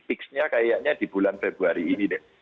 fixnya kayaknya di bulan februari ini deh